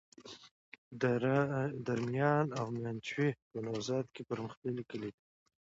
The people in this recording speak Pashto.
دره میان او ميانجوی په نوزاد کي پرمختللي کلي دي.